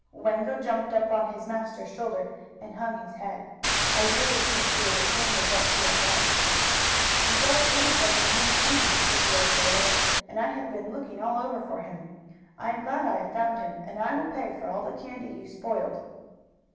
Wango jumped up on his master's shoulder, and hung his head. I really think he was ashamed of what he had done. "He broke loose from his new chain," said the old sailor, "and I have been looking all over for him. I am glad I have found him, and I will pay for all the candy he spoiled."